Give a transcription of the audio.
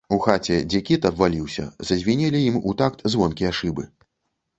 У хаце, дзе кіт абваліўся, зазвінелі ім у такт звонкія шыбы.